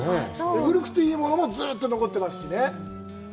古くていいものもずーっと残ってますしね